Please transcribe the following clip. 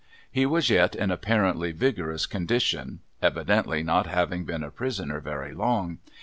He was yet in apparently vigorous condition evidently not having been a prisoner very long.